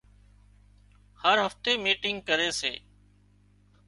هر هفتي ميٽنگ ڪري سي